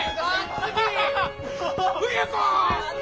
冬子！